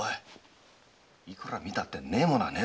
いくら見たってねえものはねえだろ。